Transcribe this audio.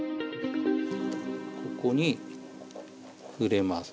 ここに触れます。